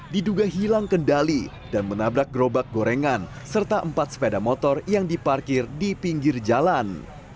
diduga hilang kendali dan menabrak gerobak gorengan serta empat sepeda motor yang diparkir di pinggir jalan